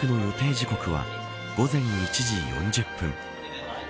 時刻は午前１時４０分。